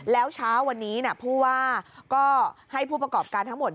แล้วเช้าวันนี้ผู้ว่าก็ให้ผู้ประกอบการทั้งหมด